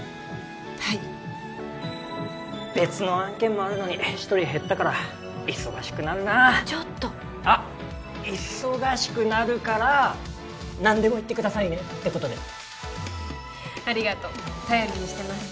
はい別の案件もあるのに１人減ったから忙しくなるなちょっとあっ忙しくなるから何でも言ってくださいねってことでありがとう頼りにしてます